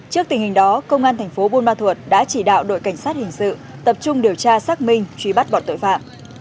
trước tình hình đó công an tp bumathua đã chỉ đạo đội cảnh sát hình sự tập trung điều tra xác minh truy bắt bọn tội phạm